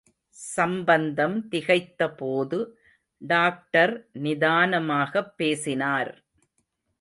சம்பந்தம் திகைத்தபோது, டாக்டர் நிதானமாகப் பேசினார்.